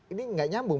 ini gak nyambung